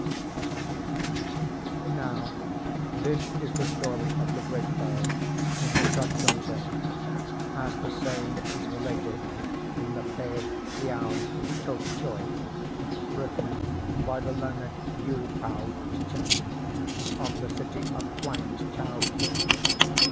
Now, this is the story of the great bell in the Ta chung sz', as the same is related in the "Pe Hiao Tou Choue," written by the learned Yu Pao Tchen, of the city of Kwang tchau fu.